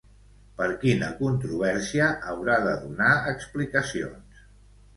Per quina controvèrsia haurà de donar explicacions?